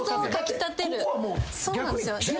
そうなんですよ。